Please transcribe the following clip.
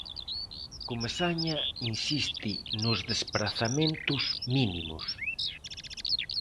Comesaña insiste nos desprazamentos mínimos.